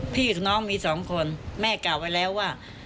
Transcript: พี่น้องมีสองคนแม่กล่าวไว้แล้วว่า